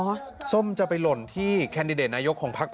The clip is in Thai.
คุณเสถาไปประชุมทีมเศรษฐกิจของพรรคนะ